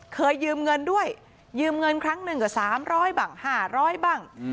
เคยยืมเงินด้วยยืมเงินครั้งหนึ่งกว่า๓๐๐บ้าง๕๐๐บ้าง